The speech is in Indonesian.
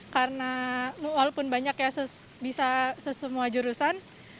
karena walaupun banyak ya bisa sesemua jurusan